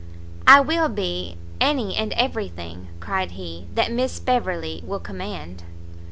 "I will be any and every thing," cried he, "that Miss Beverley will command."